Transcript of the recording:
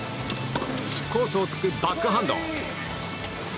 コースをつくバックハンド。